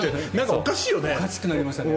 おかしくなりましたね。